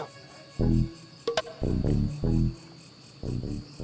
cuk buka baju